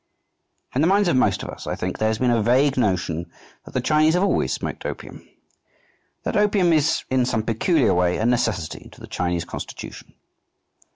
In the minds of most of us, I think, there has been a vague notion that the Chinese have always smoked opium, that opium is in some peculiar way a necessity to the Chinese constitution.